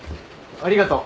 ありがとう。